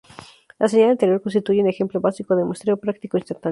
La señal anterior constituye un ejemplo básico de muestreo práctico instantáneo.